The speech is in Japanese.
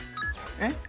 えっ？